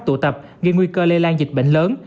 tụ tập gây nguy cơ lây lan dịch bệnh lớn